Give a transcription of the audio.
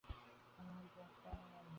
মনে হয়, ব্লকটা আমার জন্য না।